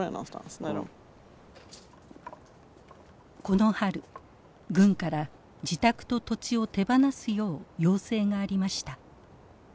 この春軍から自宅と土地を手放すよう要請がありました。